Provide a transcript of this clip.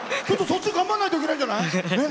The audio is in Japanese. そっち頑張らないといけないんじゃない？